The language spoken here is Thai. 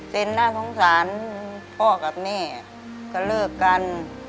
น่าสงสารพ่อกับแม่ก็เลิกกัน